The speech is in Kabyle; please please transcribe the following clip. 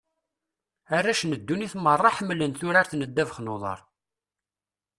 Arrac n ddunit merra, ḥemmlen turart n ddabax n uḍar.